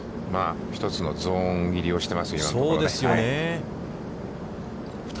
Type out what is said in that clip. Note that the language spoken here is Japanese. １つのゾーン入りをしていますね、今のところは。